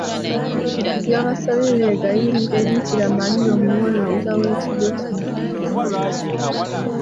Yabasabye beegayirire Bikira Maria omuwolereza w’ekigo kino.